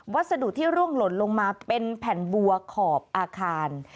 สรุปที่ร่วงหล่นลงมาเป็นแผ่นบัวขอบอาคาร